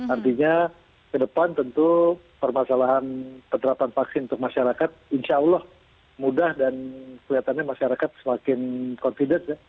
artinya ke depan tentu permasalahan penerapan vaksin untuk masyarakat insya allah mudah dan kelihatannya masyarakat semakin confident ya